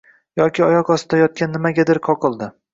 Yoki oyoq ostida yotgan nimagadir qoqildi.